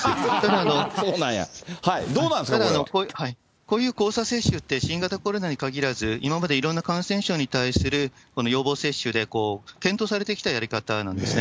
こういう交差接種って、新型コロナに限らず、今までいろんな感染症に対する予防接種で検討されてきたやり方なんですね。